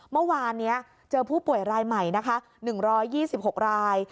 เมื่อวานนี้เจอผู้ป่วยรายใหม่นะคะ๑๒๖ราย